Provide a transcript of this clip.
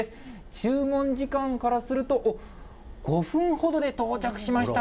注文時間からすると、おっ、５分ほどで到着しました。